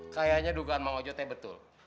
kayaknya dugaan mak ojo tuh betul